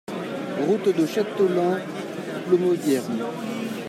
Route de Châteaulin, Plomodiern